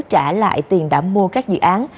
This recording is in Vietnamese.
trả lại tiền đã mua các dự án